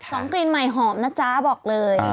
ของกลิ่นใหม่หอมนะจ๊ะบอกเลย